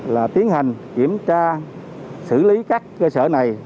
là tiến hành kiểm tra xử lý các cơ sở này